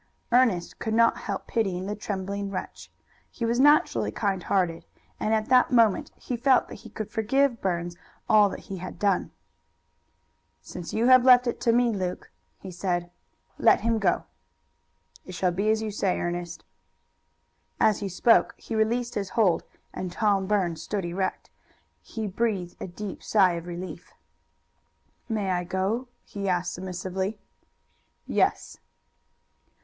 Ernest could not help pitying the trembling wretch. He was naturally kind hearted, and at that moment he felt that he could forgive Burns all that he had done. "Since you have left it to me, Luke," he said, "let him go." "It shall be as you say, Ernest." As he spoke he released his hold, and Tom Burns stood erect. He breathed a deep sigh of relief. "May I go?" he asked submissively. "Yes."